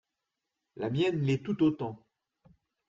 La mienne l’est tout autant.